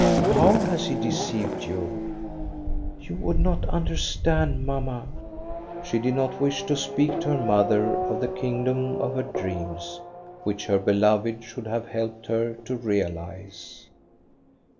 * How has he deceived you ?*' You would not understand, mamma. ' She did not wish to speak to her mother of the kingdom of her dreams, which her beloved should have helped her to realize.